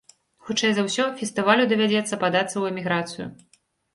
Хутчэй за ўсё, фестывалю давядзецца падацца ў эміграцыю.